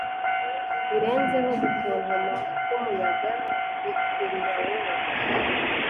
birenzeho gutontoma kwumuyaga bikurura wowe